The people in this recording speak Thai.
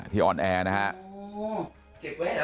ที่ออนแอร์นะฮะ